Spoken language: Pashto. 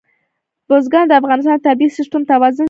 بزګان د افغانستان د طبعي سیسټم توازن ساتي.